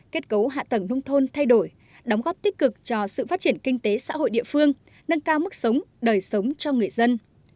kết cấu hạ tầng nông thôn thay đổi đóng góp tích cực cho sự phát triển kinh tế xã hội địa phương nâng cao mức sống đời sống cho người dân